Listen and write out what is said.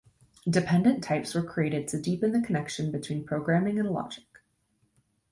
Dependent types were created to deepen the connection between programming and logic.